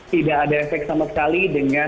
tidak ada efek sama sekali dengan